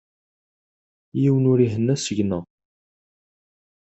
Yiwen ur ihenna seg-neɣ.